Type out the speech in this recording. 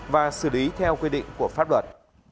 và xử lý theo quy định của pháp luật